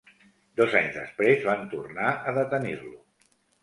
Dos anys després van tornar a detenir-lo.